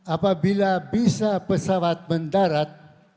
apabila bisa pesawat mendarat